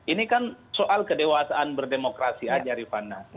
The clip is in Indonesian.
ini kan soal kedewasaan berdemokrasi aja rifana